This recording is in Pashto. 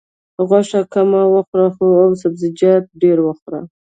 غوښه کمه وخوره او سبزیجات ډېر وخوره.